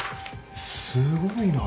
すごいな。